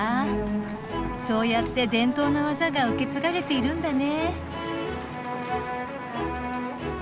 そうやって伝統の技が受け継がれているんだね。